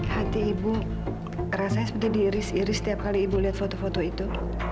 hati ibu rasanya seperti diiris iris setiap kali ibu lihat foto foto itu